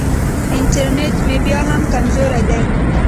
انټرنېټ مې بیا هم کمزوری دی.